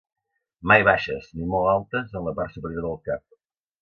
Mai baixes, ni molt altes en la part superior del cap.